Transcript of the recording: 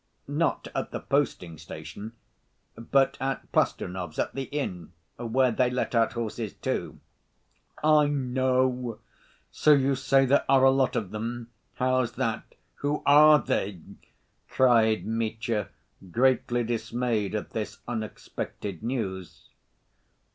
"Not at the posting‐station, but at Plastunov's, at the inn, where they let out horses, too." "I know. So you say there are a lot of them? How's that? Who are they?" cried Mitya, greatly dismayed at this unexpected news.